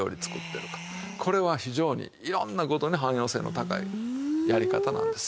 これは非常にいろんな事に汎用性の高いやり方なんですよ。